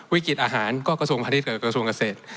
วิกฤติอาหารก็กระทรวงพลังงานกระทรวงเกษตร